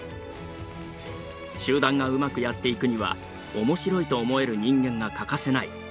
集団がうまくやっていくには面白いと思える人間が欠かせない。